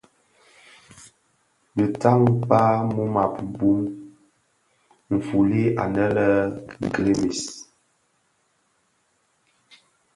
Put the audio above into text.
Dhi tan kpag mum a bum. Nfuli anë lè Grémisse,